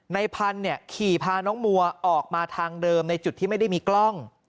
ในพันธุ์ขี่พาน้องมัวออกมาทางเดิมในจุดที่ไม่ได้มีกล้อง